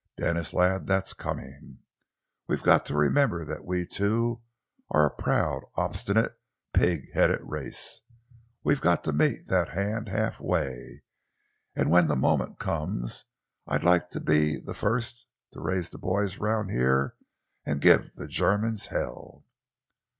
Denis, lad, that's coming. We've got to remember that we, too, are a proud, obstinate, pig headed race. We've got to meet that hand half way, and when the moment comes I'd like to be the first to raise the boys round here and give the Germans hell!"